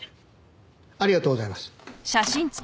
ありがとうございます。